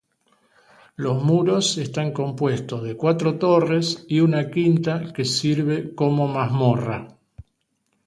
Los muros están compuestos de cuatro torres y una quinta que sirve como mazmorra.